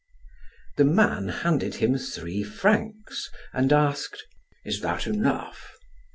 The man handed him three francs and asked: "Is that enough?"